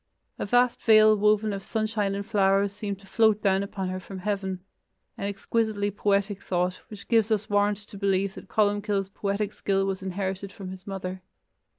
A vast veil woven of sunshine and flowers seemed to float down upon her from heaven: an exquisitely poetic thought, which gives us warrant to believe that Columcille's poetic skill was inherited from his mother.